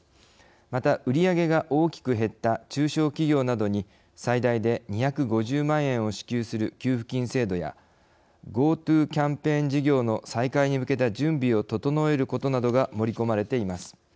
また売り上げが大きく減った中小企業などに最大で２５０万円を支給する給付金制度やＧｏＴｏキャンペーン事業の再開に向けた準備を整えることなどが盛り込まれています。